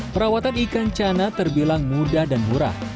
perawatan ikan cana terbilang mudah dan murah